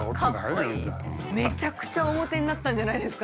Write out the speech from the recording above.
めちゃくちゃおモテになったんじゃないですか？